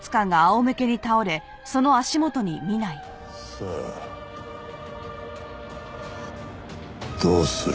さあどうする？